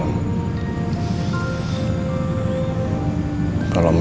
saya minta tolong semua kamu